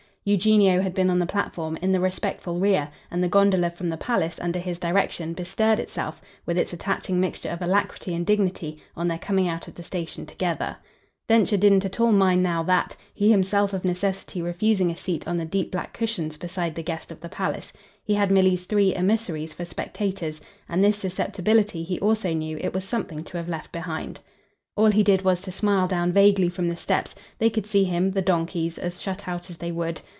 Eugenio had been on the platform, in the respectful rear, and the gondola from the palace, under his direction, bestirred itself, with its attaching mixture of alacrity and dignity, on their coming out of the station together. Densher didn't at all mind now that, he himself of necessity refusing a seat on the deep black cushions beside the guest of the palace, he had Milly's three emissaries for spectators; and this susceptibility, he also knew, it was something to have left behind. All he did was to smile down vaguely from the steps they could see him, the donkeys, as shut out as they would.